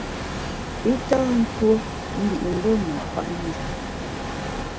I tâ ntuo mbi’ mbe kwet njap.